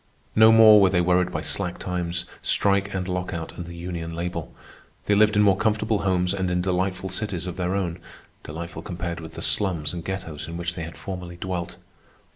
No more were they worried by slack times, strike and lockout, and the union label. They lived in more comfortable homes and in delightful cities of their own—delightful compared with the slums and ghettos in which they had formerly dwelt.